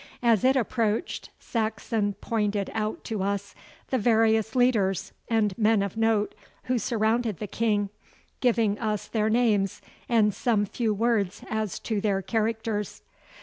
As it approached, Saxon pointed out to us the various leaders and men of note who surrounded the King, giving us their names and some few words as to their characters.